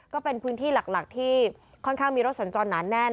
ก็เป็นพื้นที่หลักที่ค่อนข้างมีรถสัญจรหนาแน่น